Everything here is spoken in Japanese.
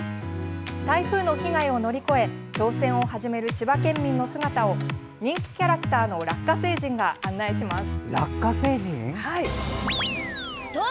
台風の被害を乗り越え挑戦を始める千葉県民の姿を人気キャラクターのラッカ星人が案内します。